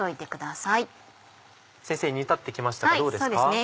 先生煮立って来ましたどうですか？